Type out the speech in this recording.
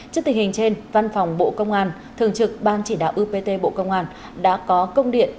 trước tình hình trên văn phòng bộ công an thường trực ban chỉ đạo upt bộ công an đã có công điện